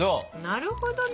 なるほどな！